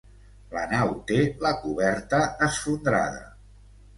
La nau té la coberta esfondrada.